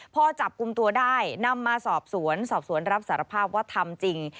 พอจับกลุ่มตัวได้นำมาสอบสวนสอบสวนรับสารภาพว่าทำจริง